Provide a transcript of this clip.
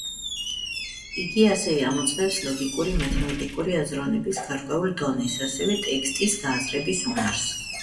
იგი ასევე ამოწმებს ლოგიკური, მათემატიკური აზროვნების გარკვეულ დონეს, ასევე ტექსტის გააზრების უნარს.